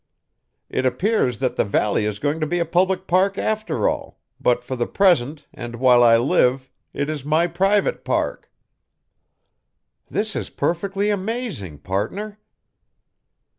It appears that the Valley is going to be a public park, after all, but for the present and while I live, it is my private park." "This is perfectly amazing, partner."